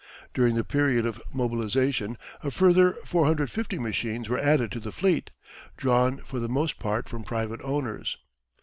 During the period of mobilisation a further 450 machines were added to the fleet, drawn for the most part from private owners.